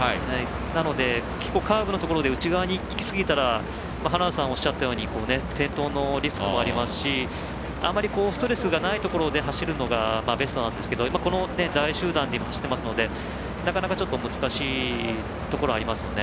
なので、カーブのところで内側に行きすぎたら花田さんがおっしゃったように転倒のリスクもありますしあまりストレスがないところで走るのがベストなんですけどこの大集団で走っていますので難しいところありますよね。